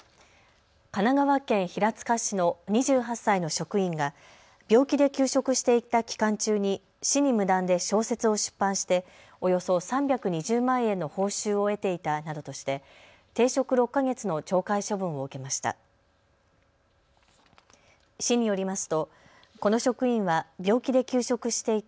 神奈川県平塚市の２８歳の職員が病気で休職していた期間中に市に無断で小説を出版しておよそ３２０万円の報酬を得ていたなどとして停職６か月の懲戒処分を受けました。